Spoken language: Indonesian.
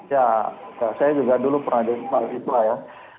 ya saya juga dulu pernah dikenal iswa ya